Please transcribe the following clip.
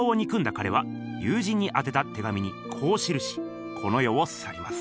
かれは友人にあてた手紙にこう記しこの世をさります。